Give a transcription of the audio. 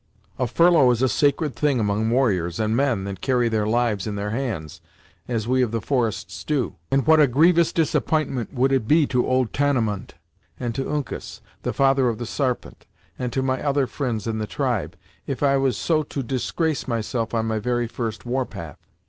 A furlough is a sacred thing among warriors and men that carry their lives in their hands, as we of the forests do, and what a grievous disapp'intment would it be to old Tamenund, and to Uncas, the father of the Sarpent, and to my other fri'nds in the tribe, if I was so to disgrace myself on my very first war path.